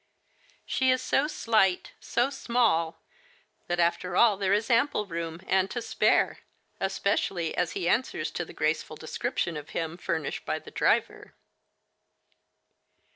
She is so slight, so small, that after all there is ample room and to spare, especially as he answers to the graceful description of him furnished by the driver.